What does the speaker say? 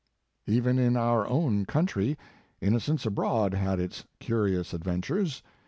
" Even in our own country * Innocents Abroad" had its curious adventures.